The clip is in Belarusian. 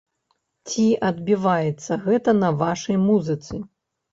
Ці адбіваецца гэта на вашай музыцы?